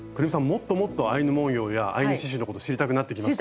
もっともっとアイヌ文様やアイヌ刺しゅうのこと知りたくなってきました？